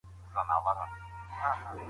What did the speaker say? وروسته کتابي بڼه غوره شوې ده.